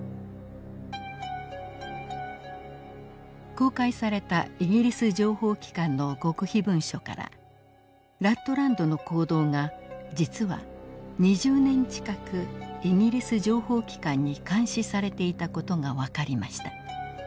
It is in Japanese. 公開されたイギリス情報機関の極秘文書からラットランドの行動が実は２０年近くイギリス情報機関に監視されていた事が分かりました。